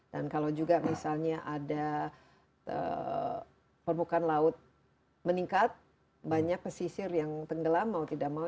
dan kalau juga misalnya ada permukaan laut meningkat banyak pesisir yang tenggelam mau tidak mau